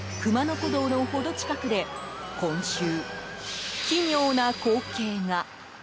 古道の程近くで今週、奇妙な光景が。